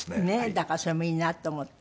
だからそれもいいなと思って。